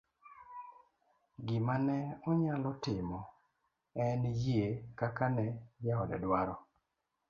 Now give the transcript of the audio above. gima ne onyalo timo en yie kaka ne jaode dwaro